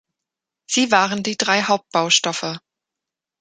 Sie waren die drei Hauptbaustoffe.